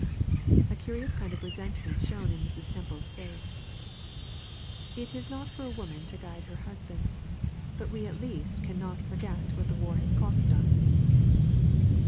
A curious kind of resentment shone in Mrs. Temple's face. "It is not for a woman to guide her husband; but we at least can not forget what the war has cost us."